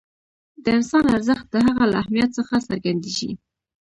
د انسان ارزښت د هغه له اهمیت څخه څرګندېږي.